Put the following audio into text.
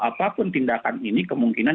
apapun tindakan ini kemungkinan